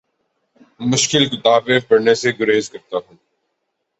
مشکل کتابیں پڑھنے سے گریز کرتا ہوں